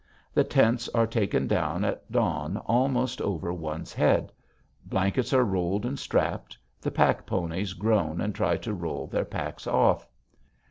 The tents are taken down at dawn almost over one's head. Blankets are rolled and strapped; the pack ponies groan and try to roll their packs off.